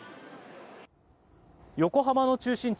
横浜の中心地